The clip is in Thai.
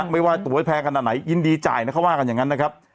ไม่ว่าตัวแพงกันต่อไหนยินดีใจนะคะว่ากันอย่างนั้นนะครับ